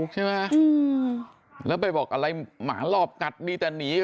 ใช่ไหมแล้วไปบอกอะไรหมารอบกัดมีแต่หนี